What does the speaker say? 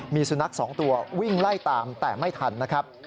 มีสุนัข๒ตัววิ่งไล่ตามแต่ไม่ทันนะครับ